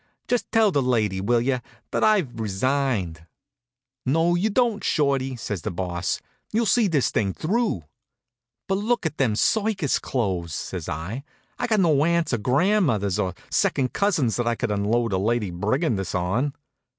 Just tell the lady, will you, that I've resigned." "No you don't, Shorty," says the Boss. "You'll see this thing through." "But look at them circus clothes," says I. "I've got no aunts or grandmothers, or second cousins that I could unload a Lady Brigandess on."